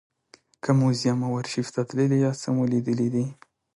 که موزیم او ارشیف ته تللي یاست څه مو لیدلي دي.